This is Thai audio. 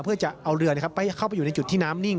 เพื่อจะเอาเรือเข้าไปอยู่ในจุดที่น้ำนิ่ง